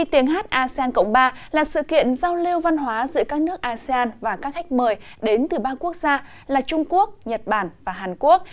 tiếng hát asean cộng ba là sự kiện giao lưu văn hóa giữa các nước asean và các khách mời đến từ ba quốc gia là trung quốc nhật bản và hàn quốc